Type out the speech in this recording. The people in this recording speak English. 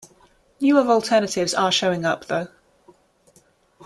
Newer alternatives are showing up, though.